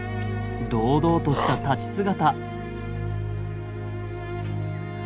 堂々とした立ち姿。